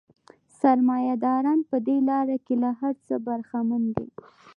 سرمایه داران په دې لار کې له هر څه برخمن دي